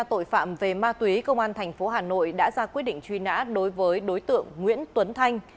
điều tra tội phạm về ma túy công an thành phố hà nội đã ra quyết định truy nã đối với đối tượng nguyễn tuấn thanh